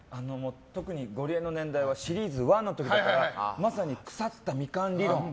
特にゴリエの年代はシリーズ１の時だからまさに、腐ったミカン理論。